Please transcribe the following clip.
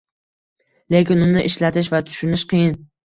Lekin uni ishlatish va tushunish qiyin.